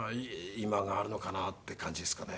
今があるのかなって感じですかね。